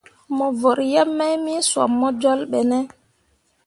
Mo vǝrri yeb mai me sob bo jolbo be ne ?